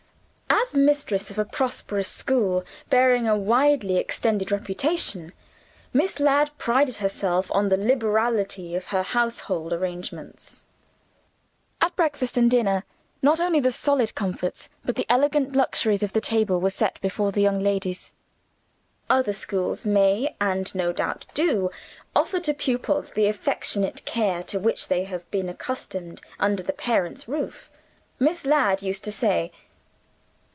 As mistress of a prosperous school, bearing a widely extended reputation, Miss Ladd prided herself on the liberality of her household arrangements. At breakfast and dinner, not only the solid comforts but the elegant luxuries of the table, were set before the young ladies "Other schools may, and no doubt do, offer to pupils the affectionate care to which they have been accustomed under the parents' roof," Miss Ladd used to say.